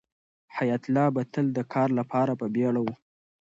حیات الله به تل د کار لپاره په بیړه و.